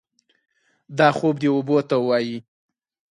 دا خوب دې اوبو ته ووايي.